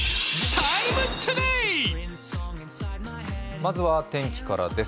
まずは天気からです。